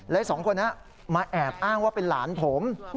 และสองคนนี้มาแอบอ้างว่าเป็นหลานผม